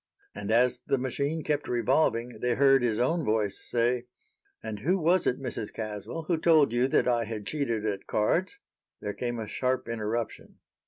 And as the machine kept revolving they heard his own voice say: "And who was it, Mrs. Caswell, who told you that I had cheated at cards?" There came a sharp interruption.